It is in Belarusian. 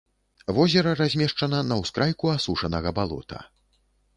Возера размешчана на ўскрайку асушанага балота.